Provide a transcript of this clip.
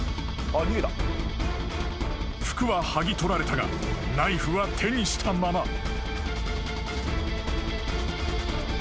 ［服は剥ぎ取られたがナイフは手にしたまま］